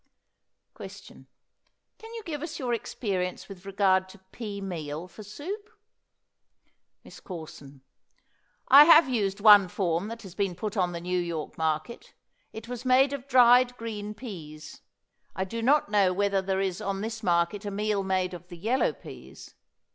Question. Can you give us your experience with regard to pea meal for soup? MISS CORSON. I have used one form that has been put on the New York market. It was made of dried green peas. I do not know whether there is on this market a meal made of the yellow peas.